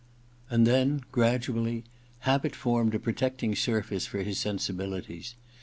And then, gradually, habit formed a pro tecting surface for his sensibilities.